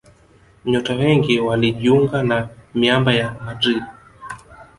Nyota wengi walijiunga na miamba ya Madrid